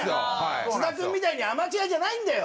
津田君みたいにアマチュアじゃないんだよ！